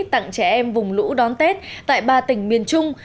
tặng trẻ em vùng lũ đón tết tại ba tỉnh miền trung